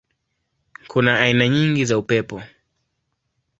Kuna aina nyingi za upepo.